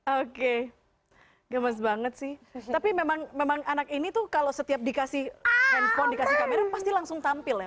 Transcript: oke gemes banget sih tapi memang anak ini tuh kalau setiap dikasih handphone dikasih kamera pasti langsung tampil ya